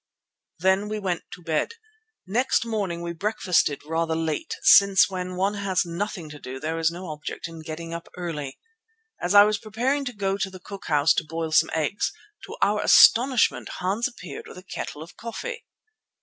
Then we went to bed. Next morning we breakfasted rather late, since when one has nothing to do there is no object in getting up early. As I was preparing to go to the cook house to boil some eggs, to our astonishment Hans appeared with a kettle of coffee.